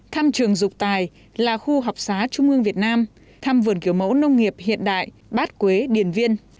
thăm trường dục tài là khu học xá trung ương việt nam thăm vườn kiểu mẫu nông nghiệp hiện đại bát quế điền viên